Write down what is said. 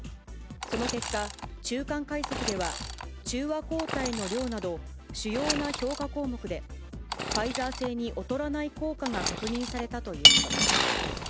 その結果、中間解析では中和抗体の量など、主要な評価項目で、ファイザー製に劣らない効果が確認されたということです。